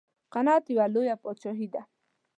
قناعت یوه لویه بادشاهي ده.